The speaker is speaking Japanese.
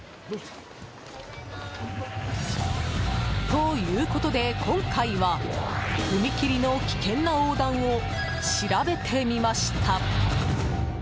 ということで今回は踏切の危険な横断を調べてみました。